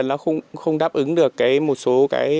nó không đáp ứng được một số